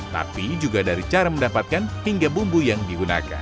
tapi juga dari cara mendapatkan hingga bumbu yang digunakan